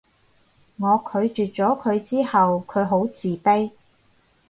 我拒絕咗佢之後佢好自卑